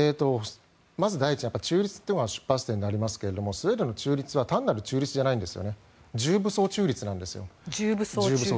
まず第一に中立ということが出発点になりますがスウェーデンの中立は単なる中立じゃないんです。